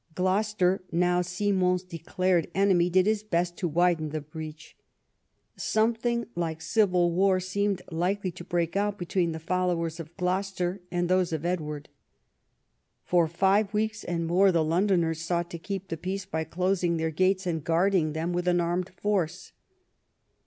Gloucester, now Simon's declared enemy, did his best to widen the breach. Something like civil war seemed likely to break out be tween the followers of Gloucester and those of Edward. For five weeks and more the Londoners sought to keep the peace by closing their gates and guarding them with an armed force.